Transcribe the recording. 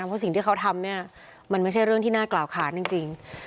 เพราะสิ่งที่เขาทำเนี่ยมันไม่ใช่เรื่องที่น่ากล่าวค้านจริง